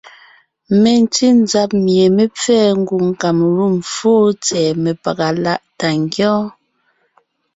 Mentí nzab mie mé pfɛ́ɛ ngwòŋ Kamelûm fóo tsɛ̀ɛ mepaga láʼ tà ngyɔ́ɔn.